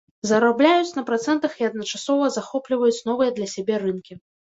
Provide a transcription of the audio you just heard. Зарабляюць на працэнтах і адначасова захопліваюць новыя для сябе рынкі.